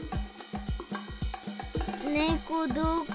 ねこどこ？